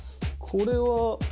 これは？